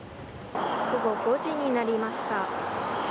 午後５時になりました。